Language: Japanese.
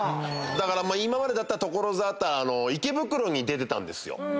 だから今までだったら所沢なら池袋に出てたんですよ。